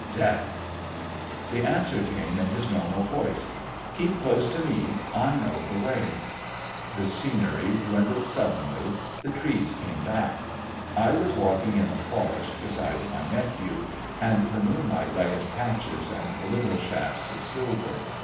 Death! The answer came in his normal voice: "Keep close to me. I know the way...." The scenery dwindled suddenly; the trees came back. I was walking in the forest beside my nephew, and the moonlight lay in patches and little shafts of silver.